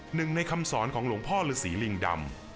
หนึ่งในคำสอนของหลวงพ่อลูกศรีริย์ดำ